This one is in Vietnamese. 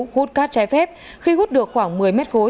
hút cát trái phép khi hút được khoảng một mươi mét khối